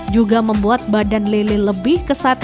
juga membuat badan lele lebih kesat